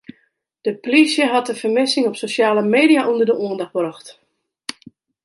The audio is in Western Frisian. De polysje hat de fermissing op sosjale media ûnder de oandacht brocht.